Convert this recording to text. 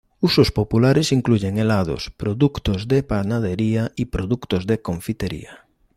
Usos populares incluyen helados, productos de panadería y productos de confitería.